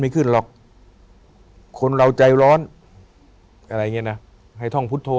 ไม่ขึ้นหรอกคนเราใจร้อนอะไรอย่างเงี้นะให้ท่องพุทธโธ